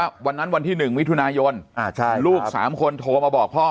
วันนั้นวันที่๑มิถุนายนลูก๓คนโทรมาบอกพ่อ